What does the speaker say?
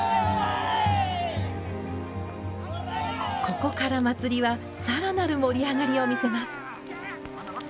ここから祭りは更なる盛り上がりを見せます。